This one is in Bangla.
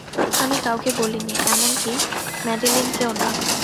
আমি কাউকে বলিনি, এমনকি ম্যাডেলিনকেও না।